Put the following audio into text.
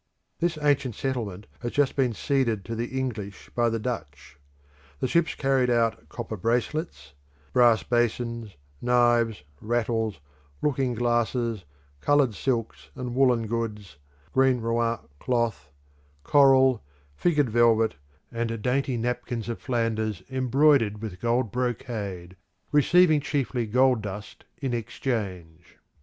This ancient settlement has just been ceded to the English by the Dutch. The ships carried out copper bracelets, brass basins, knives, rattles, looking glasses, coloured silks, and woollen goods, green Rouen cloth, coral, figured velvet, and dainty napkins of Flanders embroidered with gold brocade, receiving chiefly gold dust in exchange.